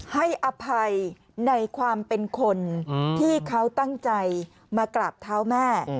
ให้อภัยในความเป็นคนที่เขาตั้งใจมากราบเท้าแม่